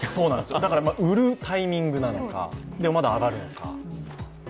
だから売るタイミングなのかでもまだ上がるのか。